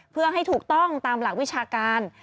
เพื่อให้ถูกต้องตามหลักวิชาการ